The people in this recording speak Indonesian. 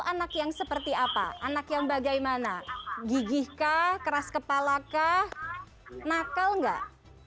anak yang seperti apa anak yang bagaimana gigih kah keras kepala kah nakal enggak